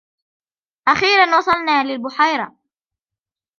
أخيراً وصلنا للبحيرة.